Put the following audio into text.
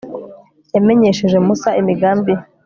yamenyesheje musa imigambi ye